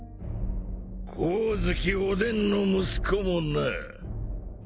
光月おでんの息子もな。